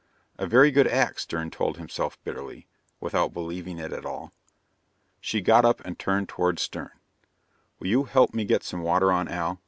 A very good act, Stern told himself bitterly, without believing it at all. She got up and turned toward Stern. "Will you help me get some water on, Al?"